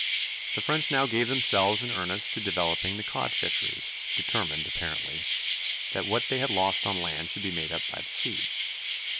The French now gave themselves in earnest to developing the cod fisheries, determined, apparently, that what they had lost on land should be made up by the sea.